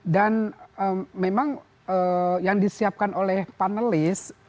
memang yang disiapkan oleh panelis